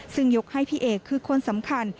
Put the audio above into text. ซึ่งยกให้พี่เอกคือคนสำคัญ